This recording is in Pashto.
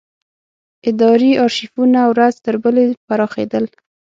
اداري ارشیفونه ورځ تر بلې پراخېدل.